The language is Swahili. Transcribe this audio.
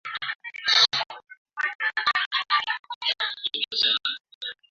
mashambulizi ya waasi hao nchini jamhuri ya kidemokrasia ya Kongo